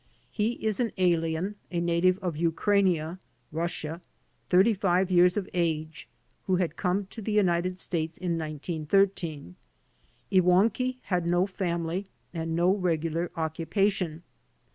He is an alien, a native of Ukrainia (Rus sia), thirty five years of age, who had come to the United States in 1913. Iwankiw had no family and no regular occupation.